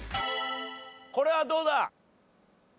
これはどうだ？